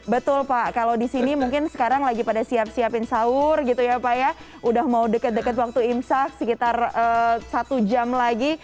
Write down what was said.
betul pak kalau di sini mungkin sekarang lagi pada siap siapin sahur gitu ya pak ya udah mau deket deket waktu imsak sekitar satu jam lagi